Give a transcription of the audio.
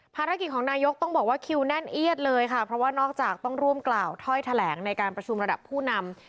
ภารกิจของนายกต้องบอกว่าคิวแน่นเอียดเลยค่ะเพราะว่านอกจากต้องร่วมกล่าวถ้อยแถลงในการประชุมระดับผู้นำ